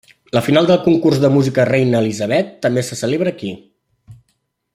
La final del Concurs de Música Reina Elisabet també se celebra aquí.